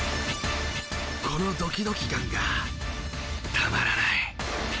このドキドキ感がたまらない！